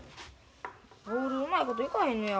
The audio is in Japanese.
ボールうまいこといかへんのや。